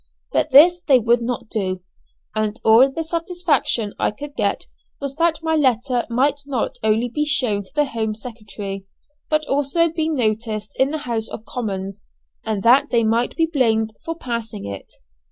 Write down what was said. But this they would not do, and all the satisfaction I could get was that my letter might not only be shown to the Home Secretary, but also be noticed in the House of Commons, and that they might be blamed for passing it.